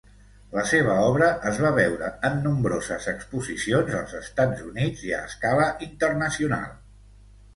La seva obra es va veure en nombroses exposicions als Estats Units i a escala internacional.